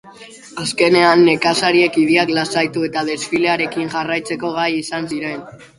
Azkenean, nekazariek idiak lasaitu eta desfilearekin jarraitzeko gai izan ziren.